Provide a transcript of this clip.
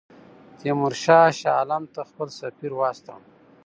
تیمورشاه شاه عالم ته خپل سفیر واستاوه.